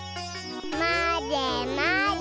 まぜまぜ。